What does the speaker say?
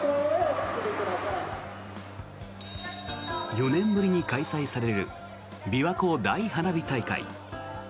４年ぶりに開催されるびわ湖大花火大会。